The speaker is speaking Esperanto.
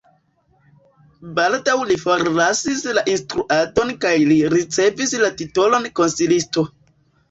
Baldaŭ li forlasis la instruadon kaj li ricevis la titolon konsilisto.